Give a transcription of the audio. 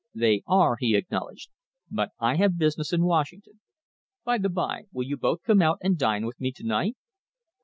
"They are," he acknowledged, "but I have business in Washington. By the bye, will you both come out and dine with me to night?"